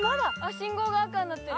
信号が赤になってる。